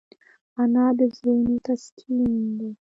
انا د زړونو تسکین ده